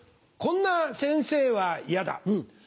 こんな先生は嫌だ。